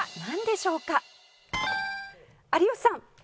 有吉さん。